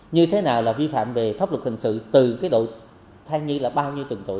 như thế nào là vi phạm về pháp luật hình sự từ cái đội thay như là bao nhiêu tuần tuổi